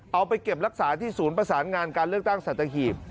เอาไปเก็บรักษาที่ศูนย์ประสานงานการเลือกตั้งสัตหีบ